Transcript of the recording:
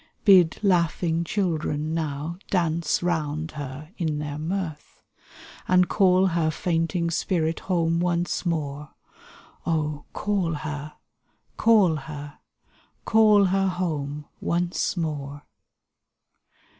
Bid laughing children now Dance round her in their mirth. And call her fainting spirit home once more — Oh, call her, call her, call her home once more